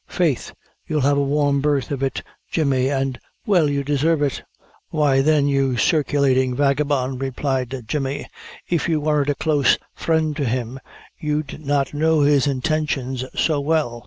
Faith you'll have a warm berth of it, Jemmy, an' well you desarve it." "Why then you circulating vagabone," replied Jemmy; "if you wern't a close friend to him, you'd not know his intentions so well.